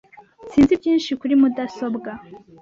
Sinzi byinshi kuri mudasobwa .